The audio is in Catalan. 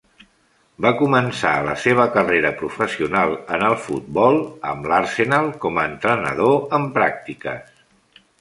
Va començar la seva carrera professional en el futbol amb l'Arsenal com a entrenador en pràctiques.